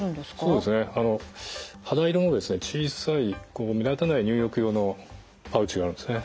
そうですね肌色の小さい目立たない入浴用のパウチがあるんですね。